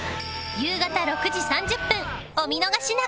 夕方６時３０分お見逃しなく！